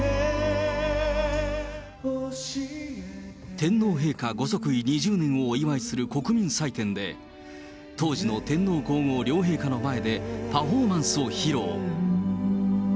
天皇陛下御即位２０年をお祝いする国民祭典で、当時の天皇皇后両陛下の前でパフォーマンスを披露。